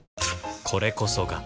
これこそが